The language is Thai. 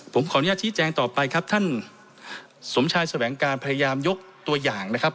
ผมขออนุญาตชี้แจงต่อไปครับท่านสมชายแสวงการพยายามยกตัวอย่างนะครับ